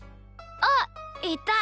あっいた！